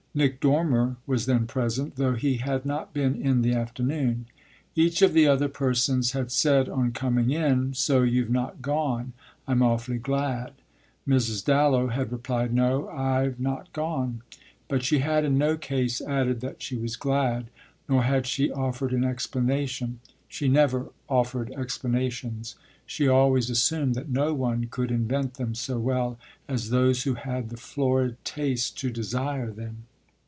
Nick Dormer was then present, though he had not been in the afternoon. Each of the other persons had said on coming in, "So you've not gone I'm awfully glad." Mrs. Dallow had replied, "No, I've not gone," but she had in no case added that she was glad, nor had she offered an explanation. She never offered explanations; she always assumed that no one could invent them so well as those who had the florid taste to desire them.